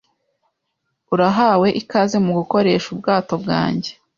Urahawe ikaze mugukoresha ubwato bwanjye.